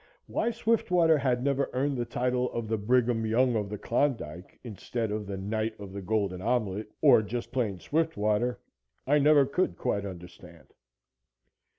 Why Swiftwater had never earned the title of the Brigham Young of the Klondike instead of the Knight of the Golden Omelette or just plain Swiftwater, I never could quite understand.